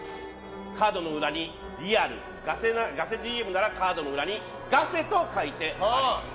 カードの裏にガセＤＭなら、カードの裏にガセと書いてあります。